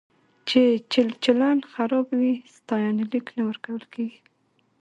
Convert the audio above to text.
چې چلچلن خراب وي، ستاینلیک نه ورکول کېږي.